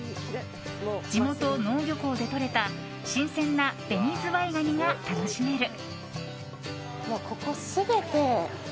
地元・能生漁港でとれた新鮮なベニズワイガニが楽しめる。